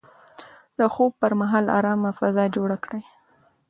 د خوب پر مهال ارامه فضا جوړه کړئ.